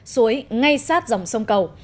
suối ngay sát dòng sông cầu